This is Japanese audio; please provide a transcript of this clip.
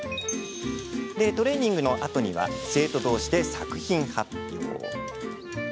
トレーニングのあとには生徒どうしで作品発表。